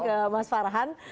ke mas farhan